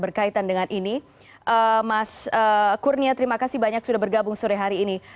berkaitan dengan ini mas kurnia terima kasih banyak sudah bergabung sore hari ini